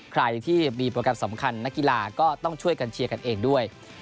ใครที่มีโปรแกรมสำคัญนักกีฬาก็ต้องช่วยกันเชียร์กันเองด้วย